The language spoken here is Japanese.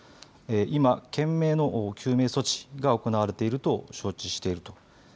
今、懸命の救命措置が行われていると承知していると。